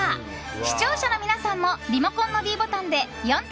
視聴者の皆さんもリモコンのｄボタンで４択